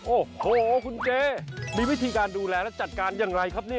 โอ้โหคุณเจมีวิธีการดูแลและจัดการอย่างไรครับเนี่ย